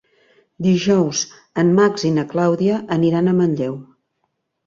Dijous en Max i na Clàudia aniran a Manlleu.